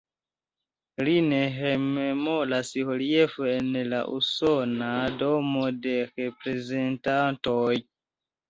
Lin rememoras reliefo en la Usona Domo de Reprezentantoj.